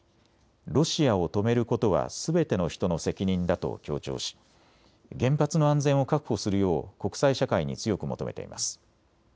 ロシアを止めることはすべての人の責任だと強調し原発の安全を確保するよう国際社会に強く求めています。